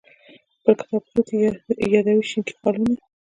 پر کتاب پروت یې یادوې شینکي خالونه